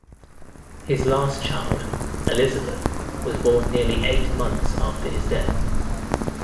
His last child, Elizabeth was born nearly eight months after his death.